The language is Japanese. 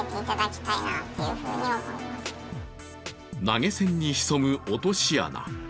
投げ銭に潜む落とし穴。